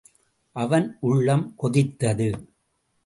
அவன் உள்ளம் கொதித்தது.